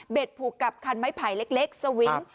เบ็ดผูกกับคันไม้ไผล์เล็กสวิ้น